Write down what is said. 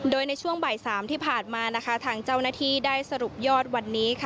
โดยในช่วงบ่าย๓ที่ผ่านมานะคะทางเจ้าหน้าที่ได้สรุปยอดวันนี้ค่ะ